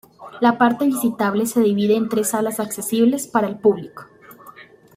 La parte visitable se divide en tres salas accesibles para el público.